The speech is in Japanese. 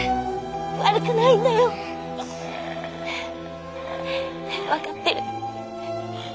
悪くないんだよ。分かってる。